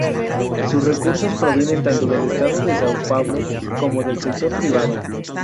Sus recursos provienen tanto del Estado de São Paulo como del sector privado.